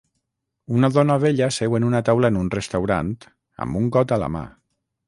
Una dona vella seu en una taula en un restaurant, amb un got a la mà.